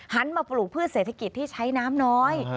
หันมาปลูกพืชเศรษฐกิจที่ใช้น้ำน้อย